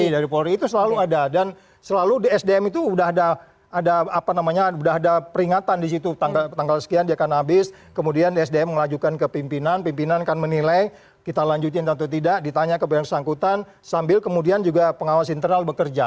dari polri itu selalu ada dan selalu di sdm itu udah ada apa namanya udah ada peringatan disitu tanggal sekian dia akan habis kemudian sdm ngelajukan ke pimpinan pimpinan kan menilai kita lanjutin atau tidak ditanya ke pengawasan kesangkutan sambil kemudian juga pengawasan internal bekerja